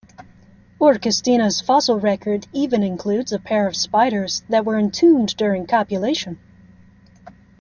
"Orchestina"'s fossil record even includes a pair of spiders that were entombed during copulation.